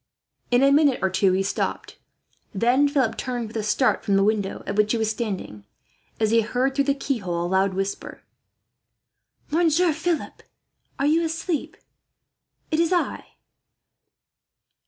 In a minute or two he stopped, then Philip turned with a start from the window at which he was standing, as he heard through the keyhole a loud whisper: "Monsieur Philip, are you asleep? It is I!"